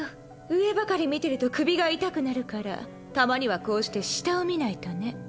上ばかり見てると首が痛くなるからたまにはこうして下を見ないとね。